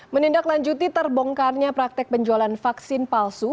menindaklanjuti terbongkarnya praktek penjualan vaksin palsu